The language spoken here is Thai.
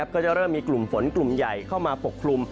ก็จะเริ่มมีกลุ่มฝนกลุ่มใหญ่เข้ามาปกคลุม